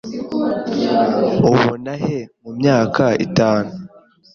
Ubona he mumyaka itanu?